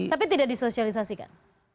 tapi tidak disosialisasikan